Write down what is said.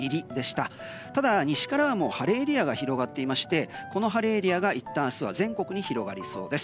ただ、西から晴れエリアが広がっていましてこの晴れエリアがいったん明日は全国に広がりそうです。